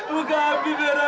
buka abi merah merah